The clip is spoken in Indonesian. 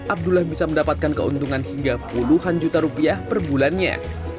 abdullah bisa mendapatkan keuntungan hingga puluhan juta rupiah per bulannya